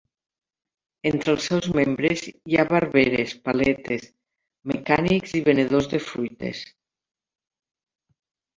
Entre els seus membres hi ha barberes, paletes, mecànics i venedors de fruites.